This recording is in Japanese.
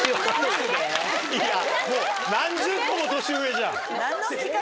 何十個も年上じゃん。